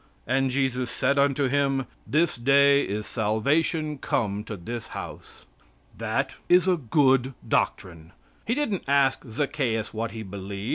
And Jesus said unto him, 'This day is salvation come to this house.'" That is good doctrine. He didn't ask Zaccheus what he believed.